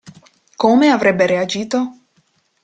Come avrebbe reagito?